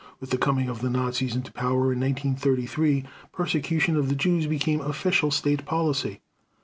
With the coming of the Nazis into power in 1933, persecution of the Jews became official state policy.